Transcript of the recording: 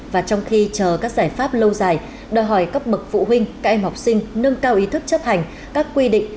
và trong khi chờ các giải pháp lâu dài đòi hỏi cấp bậc phụ huynh các em học sinh nâng cao ý thức chấp hành các quy định